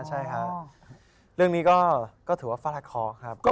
จริงมีก็ถือว่าฟาดคลาคอร์